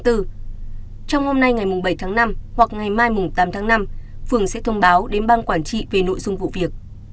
trong hôm nay ngày bảy tháng năm hoặc ngày mai tám tháng năm phường sẽ thông báo đến bang quản trị về nội dung vụ việc